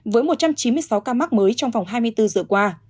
với một trăm chín mươi sáu ca mắc mới trong vòng hai mươi bốn giờ qua